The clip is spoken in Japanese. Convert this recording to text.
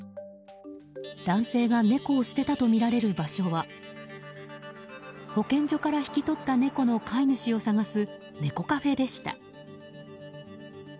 男性が猫を捨てたとみられる場所は保健所から引き取った猫の飼い主を探す猫カフェでした。